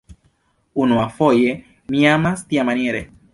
Unuafoje mi amas tiamaniere.